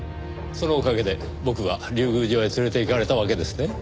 そのおかげで僕は竜宮城へ連れて行かれたわけですね。